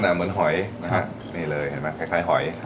เหมือนฮอย